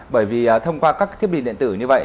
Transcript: bởi vì thông qua các thiết bị điện tử như vậy